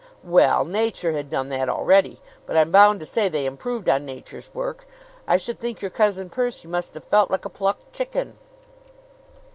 "Well, Nature had done that already; but I'm bound to say they improved on Nature's work. I should think your Cousin Percy must have felt like a plucked chicken."